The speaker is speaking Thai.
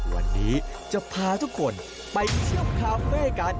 วันนี้จะพาทุกคนไปเชื่อมคาเฟ่กัน